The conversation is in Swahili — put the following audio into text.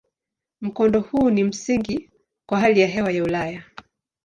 Mkondo huu ni msingi kwa hali ya hewa ya Ulaya.